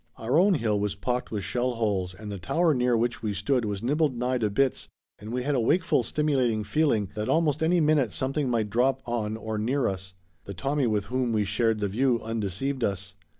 Our own hill was pocked with shell holes and the tower near which we stood was nibbled nigh to bits and we had a wakeful, stimulating feeling that almost any minute something might drop on or near us. The Tommy with whom we shared the view undeceived us.